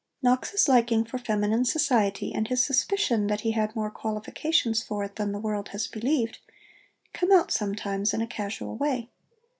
Knox's liking for feminine society, and his suspicion that he had more qualifications for it than the world has believed, come out sometimes in a casual way.